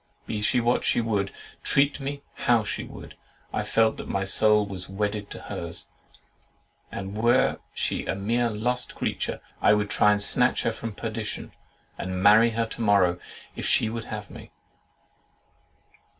Be she what she would, treat me how she would, I felt that my soul was wedded to hers; and were she a mere lost creature, I would try to snatch her from perdition, and marry her to morrow if she would have me.